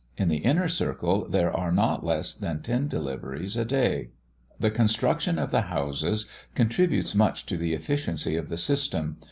In the inner circle there are not less than ten deliveries a day. The construction of the houses contributes much to the efficiency of the system.